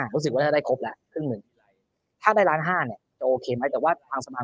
ดูเขาแล้วก็กดไว้ลงไหนนะก็เก็บทั้งหมด